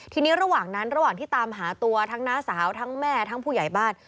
ทีนี้ระหว่างนั้นระหว่างที่ตามหาตัวทั้งน้าสาวทั้งแม่ทั้งผู้ใหญ่บ้าน